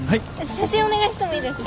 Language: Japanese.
写真お願いしてもいいですか？